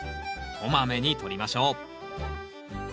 こまめに取りましょう。